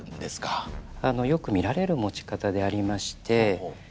あのよく見られる持ち方でありまして。